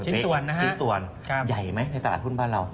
ชิ้นส่วนนะครับชิ้นส่วนใหญ่ไหมในตลาดทุนบ้านเรา